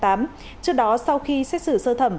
trước đó sau khi xét xử sơ thẩm